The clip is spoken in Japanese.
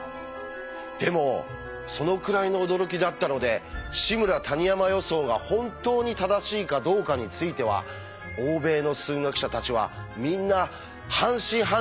でもそのくらいの驚きだったので「志村−谷山予想」が本当に正しいかどうかについては欧米の数学者たちはみんな半信半疑だったそうです。